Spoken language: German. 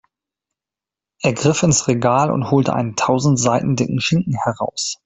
Er griff ins Regal und holte einen tausend Seiten dicken Schinken heraus.